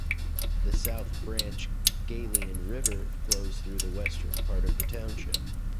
The South Branch Galien River flows through the western part of the township.